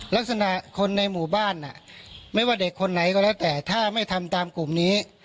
ลักษณะคนในหมู่บ้านไม่ว่าเด็กคนไหนก็แล้วแต่ถ้าไม่ทำตามกลุ่มนี้